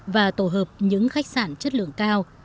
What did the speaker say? và tổ hợp những khách sạn chất lượng cao